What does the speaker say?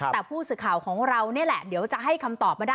แต่ผู้สื่อข่าวของเรานี่แหละเดี๋ยวจะให้คำตอบมาได้